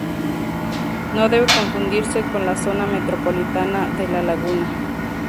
No debe confundirse con la Zona metropolitana de La Laguna.